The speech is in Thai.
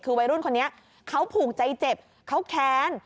คือวัยรุ่นคนนี้เขาผูกใจเจ็บเขาแค้น